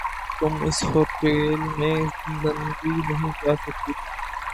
تم اِس ہوٹیل میں ننگی نہیں جا سکتی ہو۔